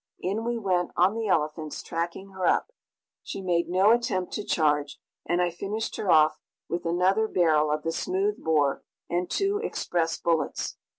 In we went on the elephants, tracking her up. She made no attempt to charge, and I finished her off with another barrel of the smooth bore and two express bullets.